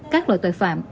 các loại tội phạm